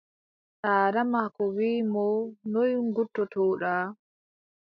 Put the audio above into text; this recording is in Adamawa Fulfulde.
Daada maako wii mo, noy ngurtoto-ɗa?